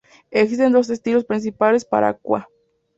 Existen dos estilos principales para Aqua.